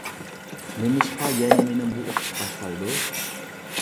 نېمىشقا يەنە مېنى بۇ ئوتقا تاشلايدۇ؟ !